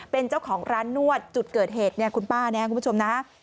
เป็นเจ้าของร้านนวดจุดเกิดเหตุคุณป้านะครับคุณผู้ชม